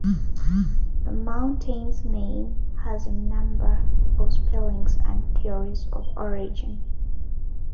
The mountain's name has a number of spellings and theories of origin.